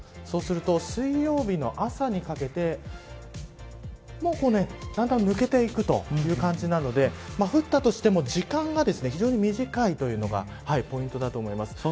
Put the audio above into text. そうすると、水曜日の朝にかけてだんだん抜けていくという感じなので降ったとしても時間が非常に短いというのがポイントだと思います。